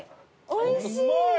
おいしい。